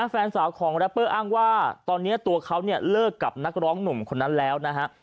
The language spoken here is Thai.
แฟนสาวของแรปเปอร์อ้างว่าตอนนี้ตัวเขาเนี่ยเลิกกับนักร้องหนุ่มคนนั้นแล้วนะฮะ